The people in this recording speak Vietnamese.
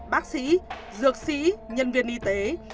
bác sĩ dược sĩ nhân viên y tế